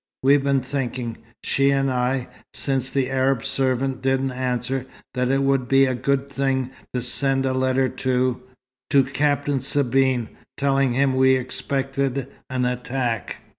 We've been thinking, she and I, since the Arab servant didn't answer, that it would be a good thing to send a letter to to Captain Sabine, telling him we expected an attack."